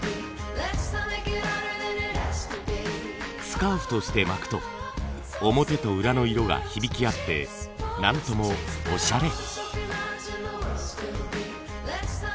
スカーフとして巻くと表と裏の色が響き合って何ともオシャレ。